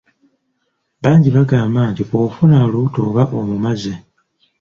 Bangi bagamba nti bw’ofuna olubuto oba omumaze.